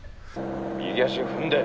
右足踏んで。